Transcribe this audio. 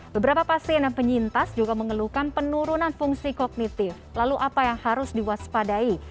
beberapa pasien dan penyintas juga mengeluhkan penurunan fungsi kognitif lalu apa yang harus diwaspadai